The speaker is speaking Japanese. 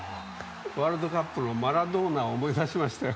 ワールドカップのマラドーナを思い出しましたよ。